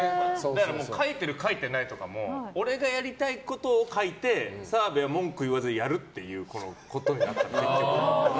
だからネタを書いてる、書いてないとかも俺がやりたいことを書いて澤部は文句言わずにやるってことになったの。